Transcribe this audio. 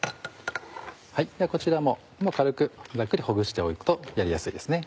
こちらも軽くざっくりほぐしておくとやりやすいですね。